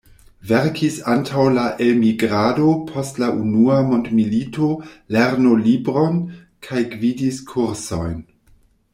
Verkis antaŭ la elmigrado post la Unua Mondmilito lernolibron kaj gvidis kursojn.